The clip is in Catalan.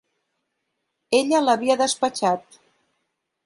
Ella l"havia despatxat!